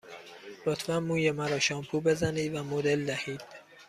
لطفاً موی مرا شامپو بزنید و مدل دهید.